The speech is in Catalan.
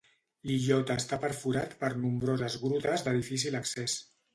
L'illot està perforat per nombroses grutes de difícil accés.